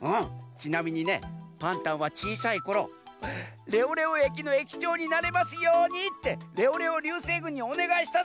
ちなみにねパンタンはちいさいころ「レオレオ駅の駅長になれますように」ってレオレオりゅうせいぐんにおねがいしたざんす！